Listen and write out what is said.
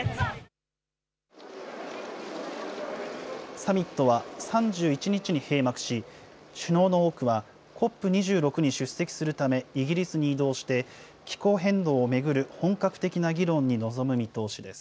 サミットは３１日に閉幕し、首脳の多くは、ＣＯＰ２６に出席するため、イギリスに移動して、気候変動を巡る本格的な議論に臨む見通しです。